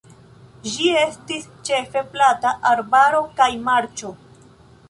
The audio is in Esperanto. Ĝi estis ĉefe plata arbaro kaj marĉo.